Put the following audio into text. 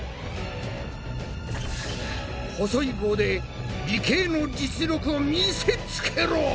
細い棒で理系の実力を見せつけろ！